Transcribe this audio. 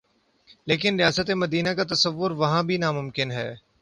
لیکن ریاست مدینہ کا تصور وہاں بھی ناممکن ہے۔